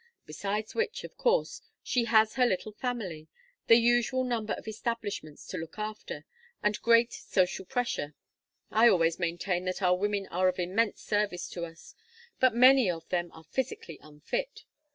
Besides which, of course she has her little family, the usual number of establishments to look after, and great social pressure. I always maintain that our women are of immense service to us, but many of them are physically unfit.